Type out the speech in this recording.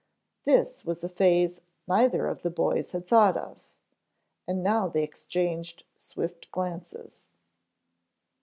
This was a phase neither of the boys had thought of, and now they exchanged swift glances.